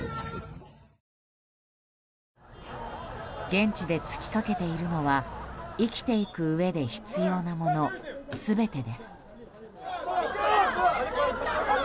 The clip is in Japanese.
現地で尽きかけているのは生きていくうえで必要なもの全てです。